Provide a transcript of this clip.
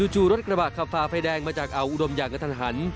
จู่รถกระบะขับฝ่าไฟแดงมาจากอ่าวอุดมอย่างกระทันหัน